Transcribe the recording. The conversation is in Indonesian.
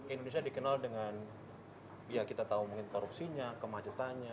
indonesia dikenal dengan ya kita tahu mungkin korupsinya kemacetannya